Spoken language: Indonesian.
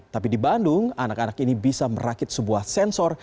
tapi di bandung anak anak ini bisa merakit sebuah sensor